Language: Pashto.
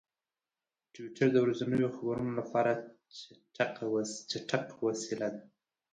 ټویټر د ورځنیو خبرونو لپاره چټک وسیله ده.